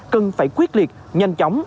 cần phải quyết liệt nhanh chóng